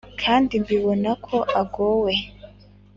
Kandi mbibona ko agowe